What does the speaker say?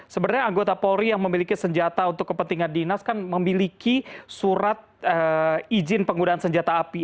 sebenarnya anggota polri yang memiliki senjata untuk kepentingan dinas kan memiliki surat izin penggunaan senjata api